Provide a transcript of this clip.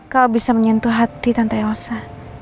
kau bisa menyentuh hati tante yosa